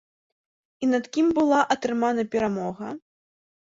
І над кім была атрымана перамога?